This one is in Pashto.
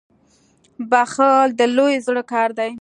• بخښل د لوی زړه کار دی.